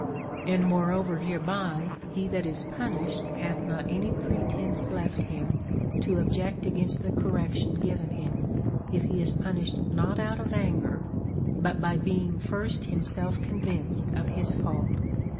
And moreover hereby, he that is punished hath not any pretence left him to object against the correction given him, if he is punished not out of anger, but being first himself convinced of his fault.